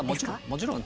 もちろん。